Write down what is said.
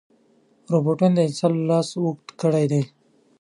روبوټونه د انسان لاس اوږد کړی دی.